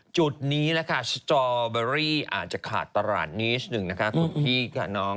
จุดนี้แหละค่ะสตอเบอรี่อาจจะขาดตลาดนิดหนึ่งนะคะคุณพี่ค่ะน้อง